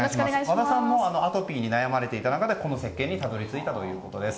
和田さんもアトピーに悩まれていた中でこのせっけんにたどり着いたということです。